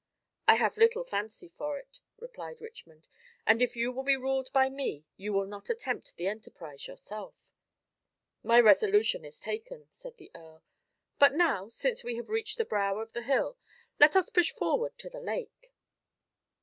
"I have little fancy for it," replied Richmond; "and if you will be ruled by me, you will not attempt the enterprise yourself." "My resolution is taken," said the earl; "but now, since we have reached the brow of the hill, let us push forward to the lake."